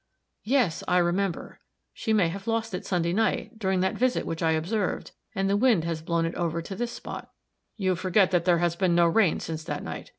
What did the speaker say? "Yes, I remember. She may have lost it Sunday night, during that visit which I observed; and the wind has blown it over into this spot." "You forget that there has been no rain since that night.